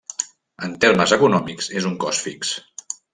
En termes econòmics és un cost fix.